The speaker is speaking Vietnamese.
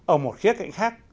ở một khía cạnh khác